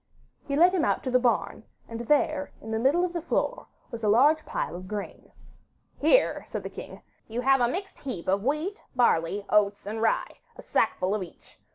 He led him out to the barn, and there in the middle of the floor was a large pile of grain. 'Here,' said the king, 'you have a mixed heap of wheat, barley, oats, and rye, a sackful of each.